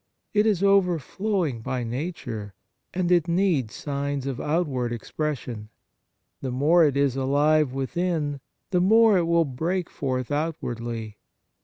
It is overflowing by nature, and it needs signs of outward expres sion. The more it is alive within, the more it will break forth outwardly.